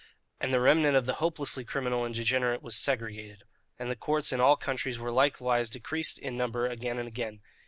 And the remnant of the hopelessly criminal and degenerate was segregated. And the courts in all countries were likewise decreased in number again and again.